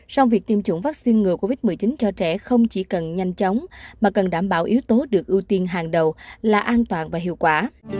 song việc tiêm chủng vaccine ngừa covid một mươi chín cho trẻ không chỉ cần nhanh chóng mà cần đảm bảo yếu tố được ưu tiên hàng đầu là an toàn và hiệu quả